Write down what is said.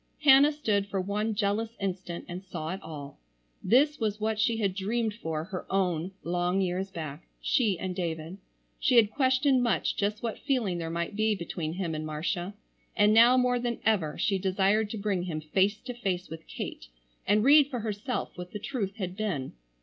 Hannah stood for one jealous instant and saw it all. This was what she had dreamed for her own long years back, she and David. She had questioned much just what feeling there might be between him and Marcia, and now more than ever she desired to bring him face to face with Kate and read for herself what the truth had been.